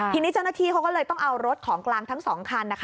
ทีนี้เจ้าหน้าที่เขาก็เลยต้องเอารถของกลางทั้ง๒คัน